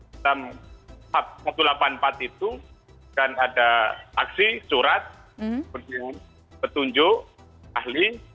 dalam satu ratus delapan puluh empat itu dan ada aksi surat petunjuk ahli